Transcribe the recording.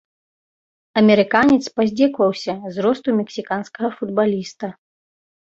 Амерыканец паздзекаваўся з росту мексіканскага футбаліста.